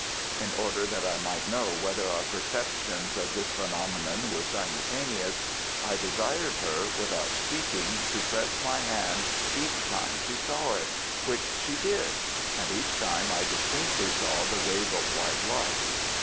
In order that I might know whether our perceptions of this phenomenon were simultaneous, I desired her, without speaking, to press my hand each time she saw it, which she did; and each time I distinctly saw the wave of white light.